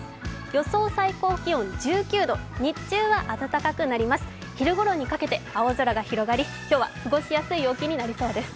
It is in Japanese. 予想最高気温１９度、日中は暖かくなります、昼ごろにかけて青空が広がり今日は過ごしやすい陽気になりそうです。